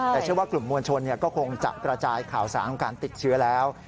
แต่เชื่อว่ากลุ่มมวลชนก็คงจะกระจายข่าวสารของการติดเชื้อแล้ว